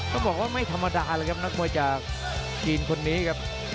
ต้องบอกว่าไม่ธรรมดาเลยครับนักมวยจากจีนคนนี้ครับ